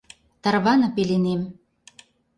Тарване пеленем.